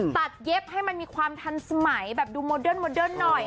ตัดเย็บให้มันมีความทันสมัยดูโมเดิร์นหน่อย